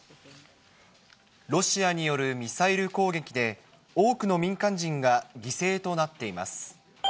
ロシアによるミサイル攻撃で、多くの民間人が犠牲となっています。